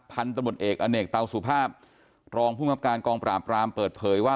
พันธบทเอกอเนกเตาสุภาพรองภูมิครับการกองปราบรามเปิดเผยว่า